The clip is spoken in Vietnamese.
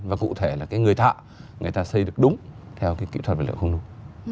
và cụ thể là cái người thợ người ta xây được đúng theo cái kỹ thuật vật liệu không nung